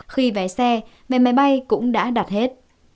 khi vé xe vé máy bay cũng đã đặt hết